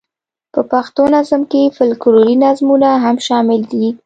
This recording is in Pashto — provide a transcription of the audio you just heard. په پښتو نظم کې فوکلوري نظمونه هم شامل دي.